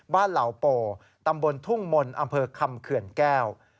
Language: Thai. เหล่าโปตำบลทุ่งมนต์อำเภอคำเขื่อนแก้ว